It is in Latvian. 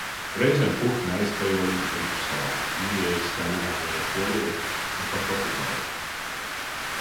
Reizēm putni aizklejo līdz Britu salām, Īrijai, Skandināvijai, Polijai un pat Portugālei.